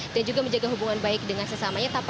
dan juga menjaga hubungan baik dengan sesamanya